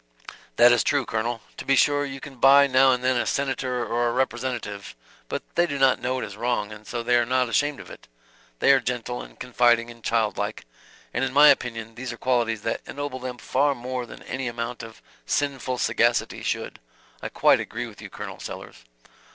"That is true, Colonel. To be sure you can buy now and then a Senator or a Representative but they do not know it is wrong, and so they are not ashamed of it. They are gentle, and confiding and childlike, and in my opinion these are qualities that ennoble them far more than any amount of sinful sagacity could. I quite agree with you, Col. Sellers."